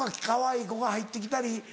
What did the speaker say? かわいい子が入って来たり。